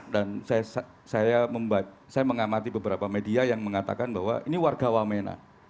dan saya mengamati beberapa media yang mengatakan bahwa ini warga wamena